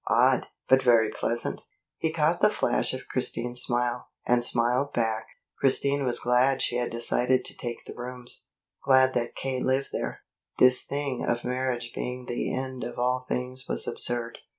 "Odd, but very pleasant." He caught the flash of Christine's smile, and smiled back. Christine was glad she had decided to take the rooms, glad that K. lived there. This thing of marriage being the end of all things was absurd.